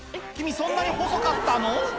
そんなに細かったの？